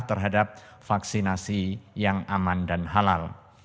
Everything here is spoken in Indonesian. terhadap vaksinasi yang aman dan halal